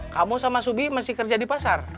kamu sama subi masih kerja di pasar